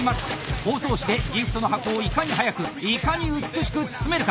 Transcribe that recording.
包装紙でギフトの箱をいかに速くいかに美しく包めるか。